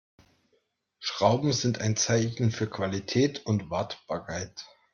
Schrauben sind ein Zeichen für Qualität und Wartbarkeit.